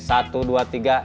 satu dua tiga